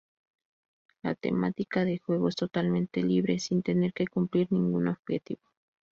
La temática de juego es totalmente libre, sin tener que cumplir ningún objetivo.